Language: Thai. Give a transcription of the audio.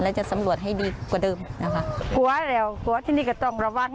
แล้วจะสำรวจให้ดีกว่าเดิมนะคะกลัวแล้วกลัวที่นี่ก็ต้องระวัง